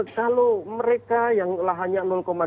kalau mereka yang lahannya dua tiga